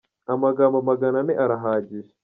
Amagambo magana ane arahagije.